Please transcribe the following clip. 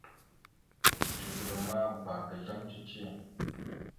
Zigəla ma bba ga azlam cici.